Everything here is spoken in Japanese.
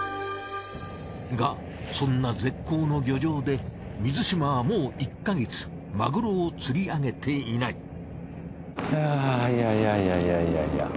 がそんな絶好の漁場で水嶋はもう１か月マグロを釣りあげていない。